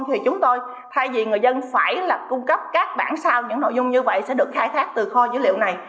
thì chúng tôi thay vì người dân phải là cung cấp các bản sao những nội dung như vậy sẽ được khai thác từ kho dữ liệu này